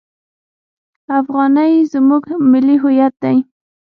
افغانۍ زموږ ملي هویت دی.